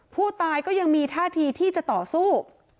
ผู้ตายก็ยังมีท่าทีที่จะต่อสู้